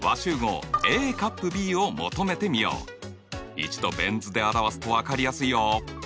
一度ベン図で表すと分かりやすいよ。